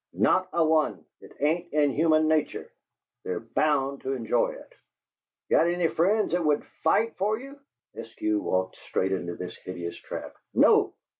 "Not a one! It ain't in human nature. They're bound to enjoy it!" "Got any friends that would FIGHT for you?" Eskew walked straight into this hideous trap. "No!